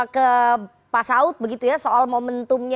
ke pak saud begitu ya soal momentumnya